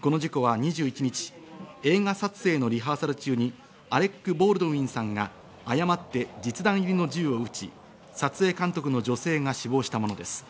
この事故は２１日、映画撮影のリハーサル中にアレック・ボールドウィンさんが誤って実弾入りの銃を撃ち、撮影監督の女性が死亡したものです。